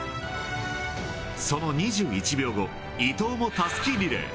その２１秒後、伊藤もたすきリレー。